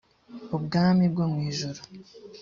ubwami bwo mu ijuru.